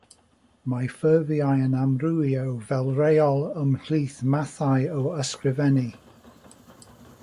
Mae ffurfiau'n amrywio fel rheol ymhlith mathau o ysgrifennu.